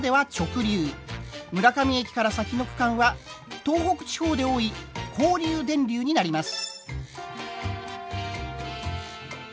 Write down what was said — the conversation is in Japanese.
村上駅から先の区間は東北地方で多い交流電流になります。